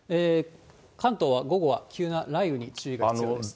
関東は午後は急な雷雨に注意が必要です。